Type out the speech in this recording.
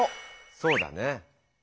そうだね。